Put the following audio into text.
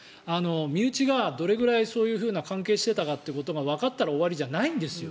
身内がどれくらいそういうふうな関係していたかということがわかったら終わりじゃないんですよ。